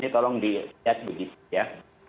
tolong dilihat begitu ya